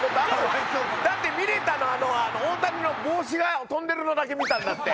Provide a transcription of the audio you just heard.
だって見れたの大谷の帽子が飛んでるのだけ見たんだって。